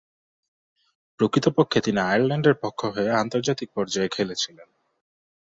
প্রকৃতপক্ষে তিনি আয়ারল্যান্ডের পক্ষ হয়ে আন্তর্জাতিক পর্যায়ে খেলেছিলেন।